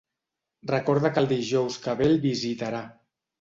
Recorda que el dijous que ve el visitarà.